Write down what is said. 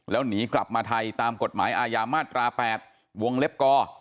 แล้วหนีกลับมาไทยตามกฎหมายอาญามาตรา๘วงเล็บกอ